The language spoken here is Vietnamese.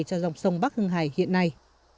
cho dòng sông bắc hưng hải hiện nay